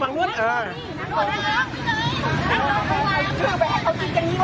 เอาจริงจังงี้เลย